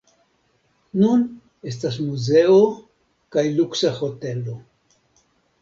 Nun estas muzeo kaj luksa hotelo.